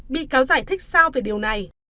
bị cáo giải thích sao về điều này